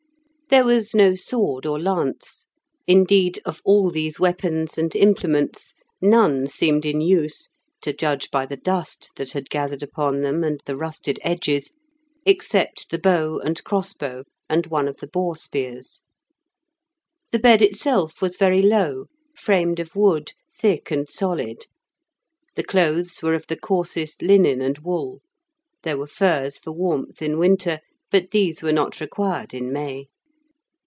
There was no sword or lance. Indeed, of all these weapons and implements, none seemed in use, to judge by the dust that had gathered upon them, and the rusted edges, except the bow and crossbow and one of the boar spears. The bed itself was very low, framed of wood, thick and solid; the clothes were of the coarsest linen and wool; there were furs for warmth in winter, but these were not required in May.